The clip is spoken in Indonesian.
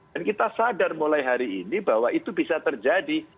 dan kita sadar mulai hari ini bahwa itu bisa terjadi